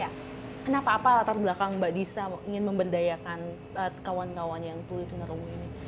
kenapa apa latar belakang mbak disa ingin memberdayakan kawan kawan yang tuli tunarungu ini